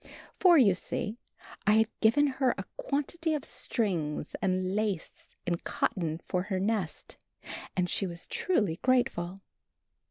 For, you see, I had given her a quantity of strings and lace and cotton for her nest, and she was truly grateful!